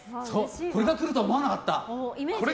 これが来ると思わなかった。